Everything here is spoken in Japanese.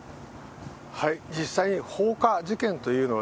実際に放火事件というのは、